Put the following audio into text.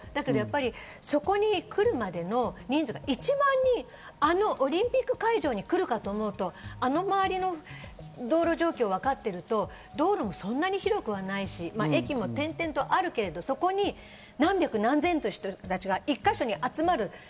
でもそこにくるまでの１万人があのオリンピック会場に来るかと思うと、あのまわりの道路状況をわかっていると道路もそんな広くはないし、駅も点々とあるけれど、そこに何百、何千っていう人が１か所に集まる。